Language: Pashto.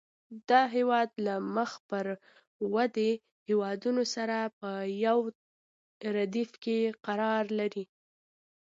دا هېواد له مخ پر ودې هېوادونو سره په یو ردیف کې قرار لري.